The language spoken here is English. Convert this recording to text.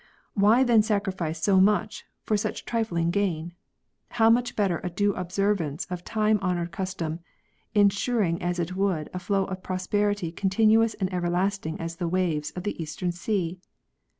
Why then sacrifice so much for such trifling gain % How much better a due observance of tiii»e honoured custom, ensuring as it would a flow of prosperity continuous and everlasting as the waves of the eastern sea